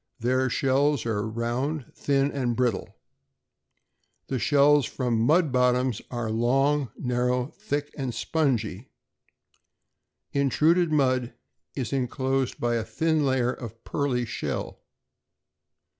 Their shells are round, thin, and brittle. The shells from mud bottoms are long, narrow, thick, and spongy. Intruded mud is enclosed by a thin layer of pearly shell.